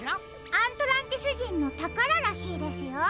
アントランティスじんのたかららしいですよ。